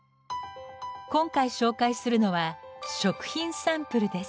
今回紹介するのは食品サンプルです。